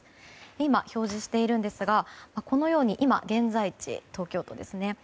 今、表示しているんですがこのように、現在地が東京都ですね。